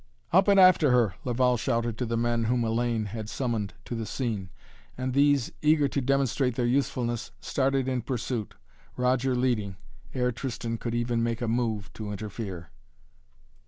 "Up and after her!" Laval shouted to the men whom Hellayne had summoned to the scene and these, eager to demonstrate their usefulness, started in pursuit, Roger leading, ere Tristan could even make a move to interfere.